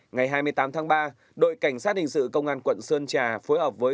ngày hai mươi tám tháng ba đội cảnh sát hình sự công an quận sơn trà phối hợp với